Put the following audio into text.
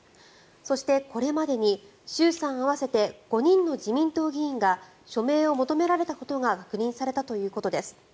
そして、これまでに衆参合わせて５人の自民党議員が署名を求められたことが確認されたということです。